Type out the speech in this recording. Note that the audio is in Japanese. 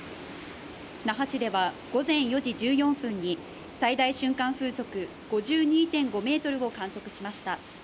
那覇市では、午前４時１４分に最大瞬間風速５２．５メートルを観測しました。